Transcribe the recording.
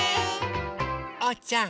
おうちゃん。